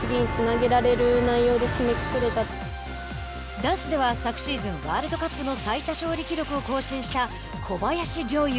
男子では昨シーズンワールドカップの最多勝利記録を更新した小林陵侑。